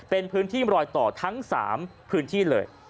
เป็นพื้นที่รอยต่อทั้ง๓พื้นที่เลย